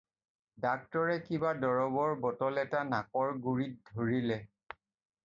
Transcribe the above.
ডাক্তৰে কিবা দৰবৰ বটল এটা নাকৰ গুৰিত ধৰিলে।